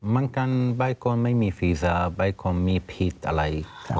บางคนไม่มีฟีซาบางคนมีภีษอะไร